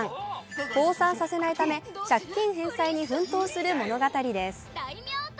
倒産させないため、借金返済に奮闘する物語です。